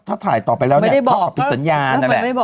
ถ้าถ่ายต่อไปแล้วเนี่ยไม่ได้บอกปิดสัญญาณนั่นแหละไม่ได้บอก